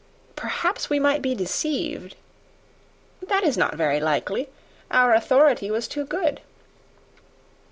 "Perhaps we might be deceived." "That is not very likely; our authority was too good."